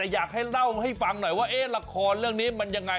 อยากให้เล่าให้ฟังหน่อยว่าละครเรื่องนี้มันยังไง